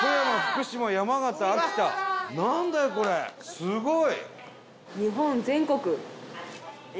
すごーい！